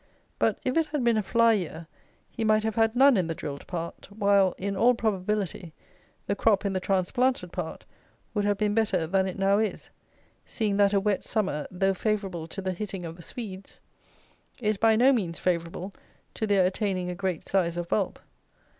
But, if it had been a fly year, he might have had none in the drilled part, while, in all probability, the crop in the transplanted part would have been better than it now is, seeing that a wet summer, though favourable to the hitting of the Swedes, is by no means favourable to their attaining a great size of bulb.